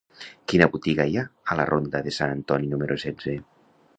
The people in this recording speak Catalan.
Quina botiga hi ha a la ronda de Sant Antoni número setze?